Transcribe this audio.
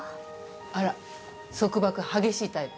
あら束縛激しいタイプ？